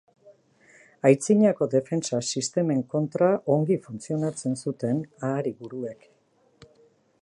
Aitzinako defentsa sistemen kontra ongi funtzionatzen zuten ahari-buruek.